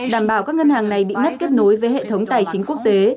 đảm bảo các ngân hàng này bị ngắt kết nối với hệ thống tài chính quốc tế